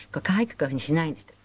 こういう風にしないんですって。